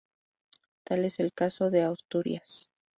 Tal es el caso de Asturias.